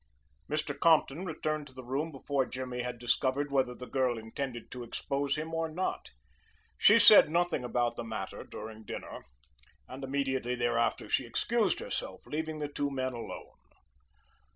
Mr. Compton returned to the room before Jimmy had discovered whether the girl intended to expose him or not. She said nothing about the matter during dinner, and immediately thereafter she excused herself, leaving the two men alone.